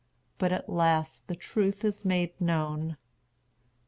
But at last the truth is made known.